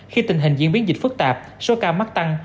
khi tình hình diễn biến dịch phức tạp số ca mắc tăng